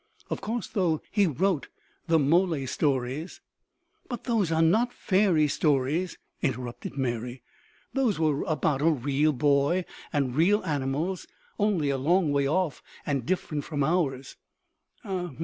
Of course, though, he wrote the Mowgli stories." "But those are not fairy stories," interrupted Mary. "Those were about a real boy and real animals only a long way off and different from ours."